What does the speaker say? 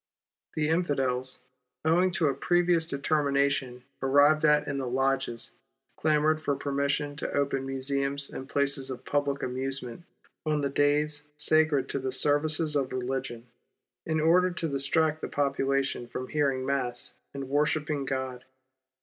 The Infidels, owing to a previous determination arrived at in the lodges, clamoured for permission to open museums and places of public amusement on the days sacred to the services of religion, in order to distract the population from the hearing of Mass and the worship of God.